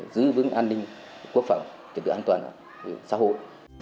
giữ vững an ninh quốc phẩm tựa an toàn xã hội